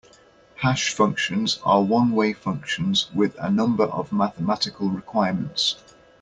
Hash functions are one-way functions with a number of mathematical requirements.